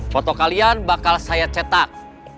foto kalian bakal saya cetak